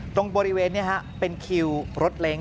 ตรงบริเวณนี้เป็นคิวรถเล้ง